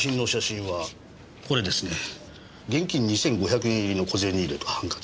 現金２５００円入りの小銭入れとハンカチ。